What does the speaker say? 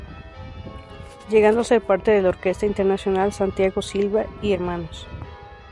Llegando a ser parte de la orquesta internacional Santiago Silva y Hnos.